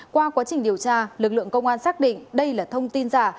qua quá trình điều tra lực lượng công an xác định đây là thông tin giả